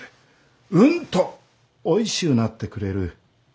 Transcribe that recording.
うんとおいしゅうなってくれる。